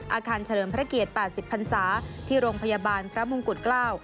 เฉลิมพระเกียรติ๘๐พันศาที่โรงพยาบาลพระมงกุฎเกล้า